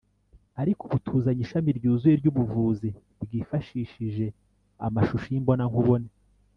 Ariko ubu tuzanye ishami ryuzuye ry’ubuvuzi bwifashishije amashusho y’imbonankubone